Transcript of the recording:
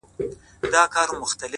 دوه زړونه په سترگو کي راگير سوله;